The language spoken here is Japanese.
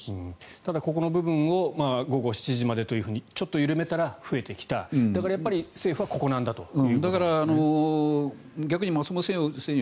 ただ、ここの部分を午後７時までとちょっと緩めたら増えてきただからやっぱり政府はここなんだということですね。